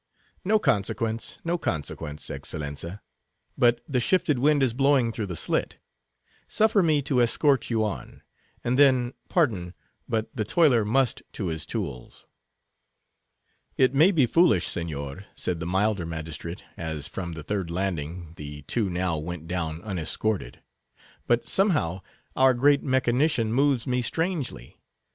"No consequence, no consequence, Excellenza—but the shifted wind is blowing through the slit. Suffer me to escort you on; and then, pardon, but the toiler must to his tools." "It may be foolish, Signor," said the milder magistrate, as, from the third landing, the two now went down unescorted, "but, somehow, our great mechanician moves me strangely.